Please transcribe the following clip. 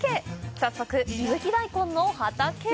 早速、伊吹大根の畑へ。